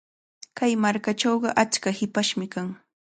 Kay markachawqa achka hipashmi kan.